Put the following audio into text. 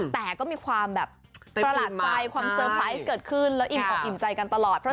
แต่ก็มีความแบบประหลาดใจความเซอร์ไพรส์เกิดขึ้นแล้วอิ่มอกอิ่มใจกันตลอด